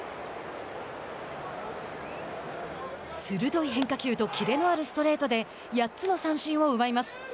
鋭い変化球とキレのあるストレートで８つの三振を奪います。